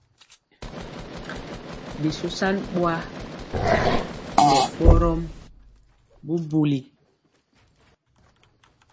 Bi shoshan bɔa nɛ bɔrmɔm bubuli.